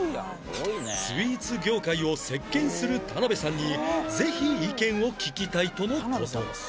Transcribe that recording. スイーツ業界を席巻する田辺さんにぜひ意見を聞きたいとの事